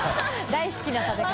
大好きな食べ方。